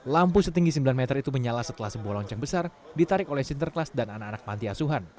lampu setinggi sembilan meter itu menyala setelah sebuah lonceng besar ditarik oleh sinterklas dan anak anak panti asuhan